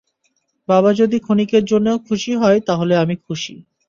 বাবা যদি ক্ষনিকের জন্যেও খুশি হয় তাহলে আমি খুশি।